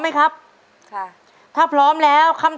ต้นไม้ประจำจังหวัดระยองการครับ